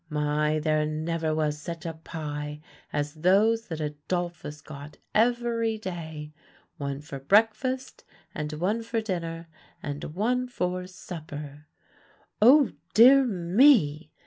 My! there never was such a pie as those that Adolphus got every day, one for breakfast, and one for dinner, and one for supper." "Oh, dear me!"